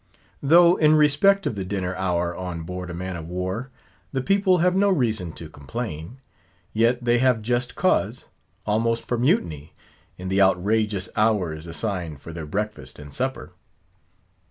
Though in respect of the dinner hour on board a man of war, the people have no reason to complain; yet they have just cause, almost for mutiny, in the outrageous hours assigned for their breakfast and supper.